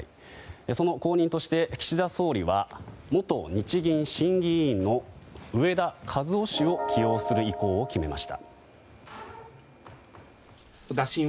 その後任として岸田総理は元日銀審議委員の植田和男氏を起用する意向を決めました。